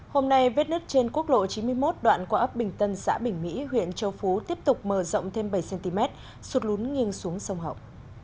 hôm nay vết nứt trên quốc lộ chín mươi một đoạn qua ấp bình tân xã bình mỹ huyện châu phú tiếp tục mở rộng thêm bảy cm sụt lún nghiêng xuống sông hậu